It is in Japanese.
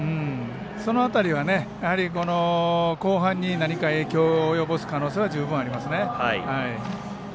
その辺りは後半に何か影響を及ぼす可能性は十分ありますね。